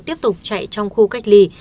tiếp tục chạy trong khu cách ly